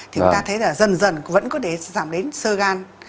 thì chúng ta thấy là dần dần vẫn có thể giảm đến sơ gan